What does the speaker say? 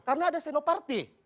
karena pada senoparty